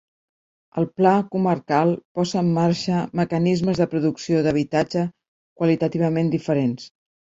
El Pla Comarcal posa en marxa mecanismes de producció d’habitatge qualitativament diferents.